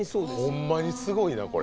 ほんまにすごいなこれ。